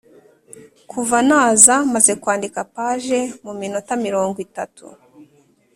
Kuva naza maze kwandika page mu minota mirongo itatu